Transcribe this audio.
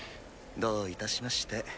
どういたしまして。